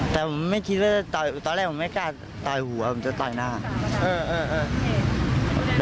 แต่ตอนแรกผมไม่กล้าตอยหัวผมจะตอยหน้า